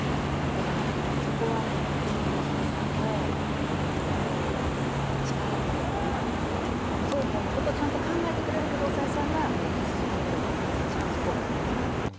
だから、そこは本当に不動産屋さんの力にもよるので双方のことをちゃんと考えてくれる不動産屋さんが本当に一番大事かなと。